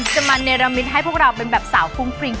จะมาเนรมิตให้พวกเราเป็นแบบสาวฟุ้งฟริ้ง